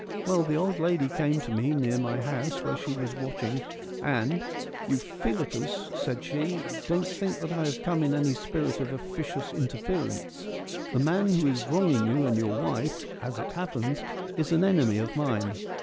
Well, the old lady came to me near my house, where she was watching, and ' Euphiletus,' said she, ' don't think that I have come in any spirit of officious interference : the man who is wronging you and your wife, as it happens, is an enemy of mine.